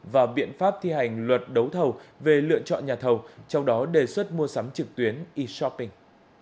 và biện pháp thi hành luật đấu thầu về lựa chọn nhà thầu trong đó đề xuất mua sắm trực tuyến e shopping